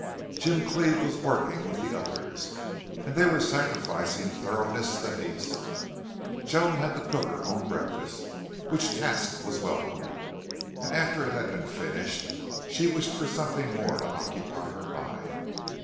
Jim Cleve was working with the others, and they were sacrificing thoroughness to haste. Joan had to cook her own breakfast, which task was welcome, and after it had been finished she wished for something more to occupy her mind.